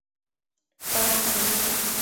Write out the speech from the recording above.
Paz, Av.